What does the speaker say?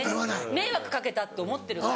迷惑かけたと思ってるから。